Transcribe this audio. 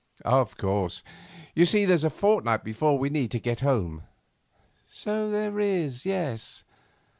'Of course. You see there's a fortnight before we need get home.' 'So there is, yes.